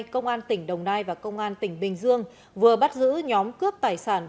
công an tỉnh đồng nai và công an tỉnh bình dương vừa bắt giữ nhóm cướp tài sản